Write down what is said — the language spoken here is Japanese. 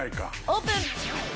オープン！